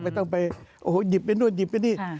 ต้องไปโอ้โหหยิบไปนู่นหยิบไปนี่